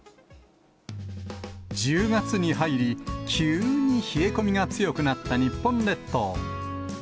１０月に入り、急に冷え込みが強くなった日本列島。